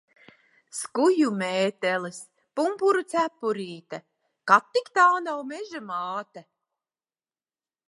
Skuju mētelis, pumpuru cepurīte. Kad tik tā nav Meža māte?